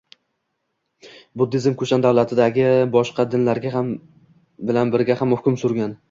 Buddizm Kushan davlatidagi boshqa dinlar bilan birga hukm surgan.